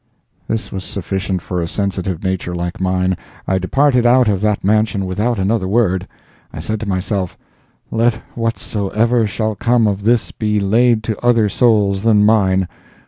This was sufficient for a sensitive nature like mine. I departed out of that mansion without another word. I said to myself, "Let whatsoever shall come of this be laid to other souls than mine.